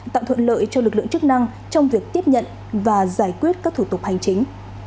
tạo thuận lợi cho lực lượng chức năng trong việc tiếp nhận và giải quyết các thủ tục hành chính